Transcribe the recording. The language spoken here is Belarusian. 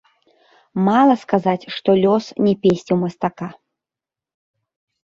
Мала сказаць, што лёс не песціў мастака.